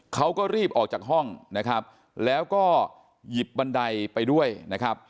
เขาก็รีบออกจากห้องนะครับแล้วก็หยิบบันไดไปด้วยนะครับ